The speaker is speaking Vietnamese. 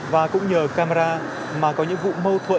và cũng nhờ camera mà có những vụ mâu thuẫn